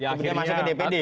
kemudian masuk ke dpd